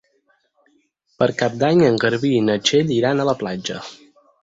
Per Cap d'Any en Garbí i na Txell iran a la platja.